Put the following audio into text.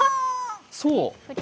そう？